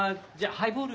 ハイボール。